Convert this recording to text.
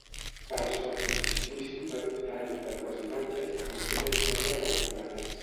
Per al seu frontispici va dubtar entre dues imatges que contenen sengles autoretrats.